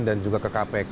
dan juga ke kpk